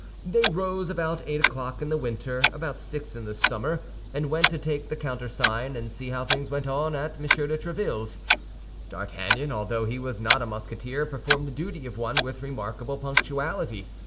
They rose about eight o'clock in the winter, about six in summer, and went to take the countersign and see how things went on at M. de Tréville's. D'Artagnan, although he was not a Musketeer, performed the duty of one with remarkable punctuality.